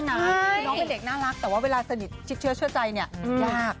น้องมันเด็กน่ารักแต่ว่าเวลาสนิทเชื่อใจย้าบ